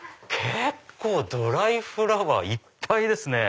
ドライフラワーいっぱいですね。